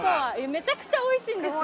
めちゃくちゃおいしいんですよ。